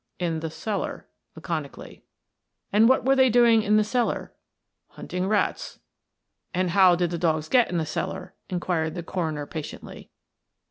"In the cellar," laconically. "And what were they doing in the cellar?" "Hunting rats." "And how did the dogs get in the cellar?" inquired the coroner patiently.